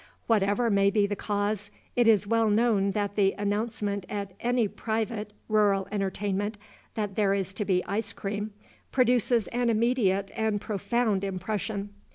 Whatever may be the cause, it is well known that the announcement at any private rural entertainment that there is to be ice cream produces an immediate and profound impression.